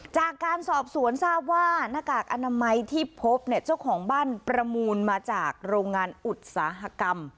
จากการสอบสวนทราบว่าหน้ากากอนามัยที่พบเนี่ยเจ้าของบ้านประมูลมาจากโรงงานอุตสาหกรรม